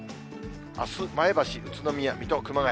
あす前橋、宇都宮、水戸、熊谷。